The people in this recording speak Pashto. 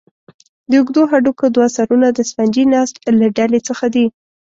د اوږدو هډوکو دوه سرونه د سفنجي نسج له ډلې څخه دي.